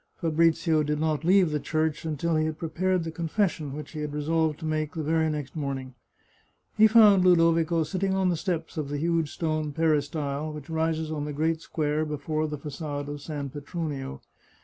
Fabrizio did not leave the church until he had prepared the confession which he had resolved to make the very next morning. He found Ludovico sitting on the steps of the huge stone peristyle which rises on the great square before the fa9ade of San Petronio.